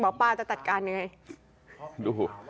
หมอป้าจะจัดการยังไง